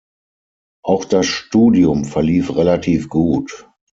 Auch das Studium verlief relativ gut.